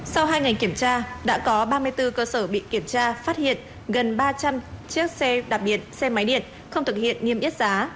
sau hai ngày kiểm tra đã có ba mươi bốn cơ sở bị kiểm tra phát hiện gần ba trăm linh chiếc xe đạp điện xe máy điện không thực hiện nghiêm yết giá